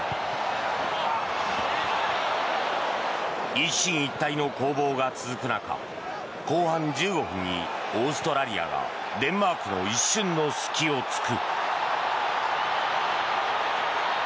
一進一退の攻防が続く中後半１５分にオーストラリアがデンマークの一瞬の隙を突く。